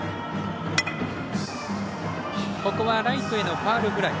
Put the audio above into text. ライトへのファウルフライ。